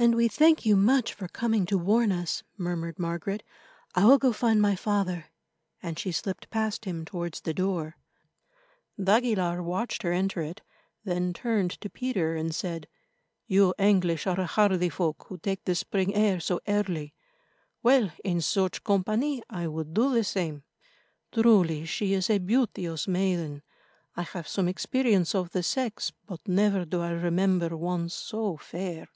"And we thank you much for coming to warn us," murmured Margaret. "I will go find my father," and she slipped past him towards the door. d'Aguilar watched her enter it, then turned to Peter and said: "You English are a hardy folk who take the spring air so early. Well, in such company I would do the same. Truly she is a beauteous maiden. I have some experience of the sex, but never do I remember one so fair."